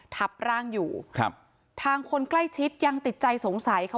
ทับร่างอยู่ครับทางคนใกล้ชิดยังติดใจสงสัยเขา